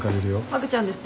ハグちゃんです。